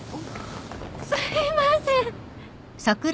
・すいません！